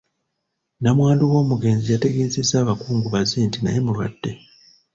Nnamwandu w’omugenzi yategeezezza abakungubazi nti naye mulwadde.